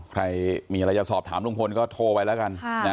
ใครมีอะไรจะสอบถามลุงพลก็โทรไปแล้วกัน